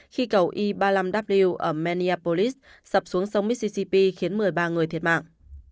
khi cầu i ba mươi năm w ở minneapolis sập xuống sông mississippi khiến một mươi ba người thiệt mạng